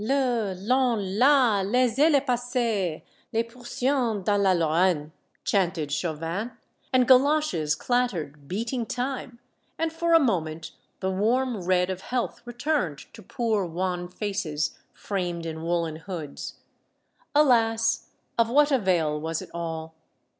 " Ley Ion, la, laissez les passer, les Pritssiens dans la Lorraine^' chanted Chauvin, and galoshes clat tered, beating time, and for a moment the warm red of health returned to poor wan faces framed in woollen hoods. Alas! of what avail was it all?